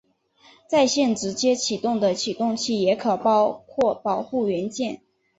在线直接起动的启动器也可以包括保护元件。